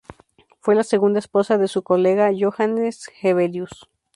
Fue la segunda esposa de su colega Johannes Hevelius.